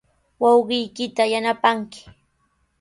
Wawqiykita yanapanki.